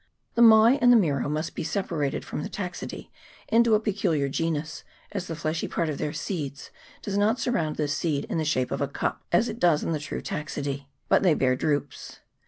The mai and the miro must be separated from the Taxidese into a peculiar genus, as the fleshy part of their seeds does not surround the seed in the shape of a cup, as it does in the true Taxidese, but they bear drupes.